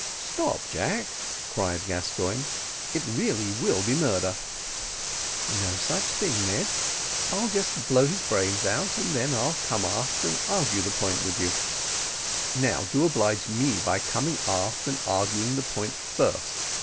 "Stop, Jack," cried Gascoigne, "it really will be murder." "No such thing, Ned; I'll just blow his brains out, and then I'll come aft and argue the point with you." "Now do oblige me by coming aft and arguing the point first.